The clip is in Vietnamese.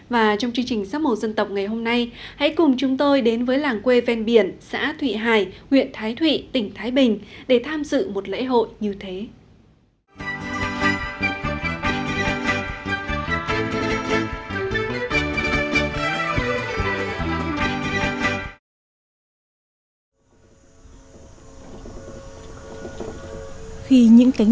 và trong chương trình sắp màu dân tộc ngày hôm nay hãy cùng chúng tôi đến với làng quê ven biển xã thụy hải nguyện thái thụy tỉnh thái bình để tham dự một lễ hội như thế